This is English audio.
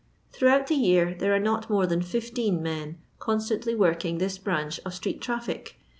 • Throughout the year there are not more than 15 men constantly working " this branch of streel traffic.